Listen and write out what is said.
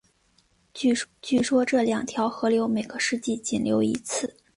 据说这两条河流每个世纪仅流一次。